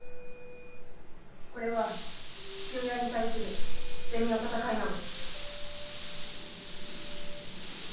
これは父親に対する捨て身の闘いなの。